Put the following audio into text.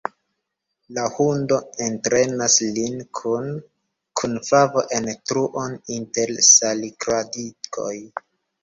La hundo entrenas lin kune kun Favo en truon inter salikradikoj.